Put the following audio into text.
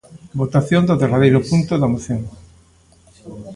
Votación do derradeiro punto da Moción.